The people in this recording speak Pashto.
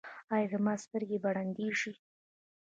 ایا زما سترګې به ړندې شي؟